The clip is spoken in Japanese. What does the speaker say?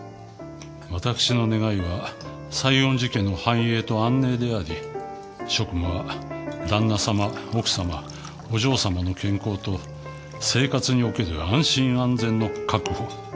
私の願いは西園寺家の繁栄と安寧であり職務は旦那様奥様お嬢様の健康と生活における安心安全の確保。